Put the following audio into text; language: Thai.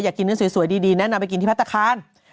อยากกินเนื้อสวยดีแนะนำไปกินที่พัฒนาคาร